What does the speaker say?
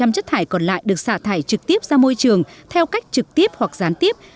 năm mươi chất thải còn lại được xả thải trực tiếp ra môi trường theo cách trực tiếp hoặc gián tiếp